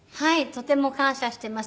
とても感謝してます。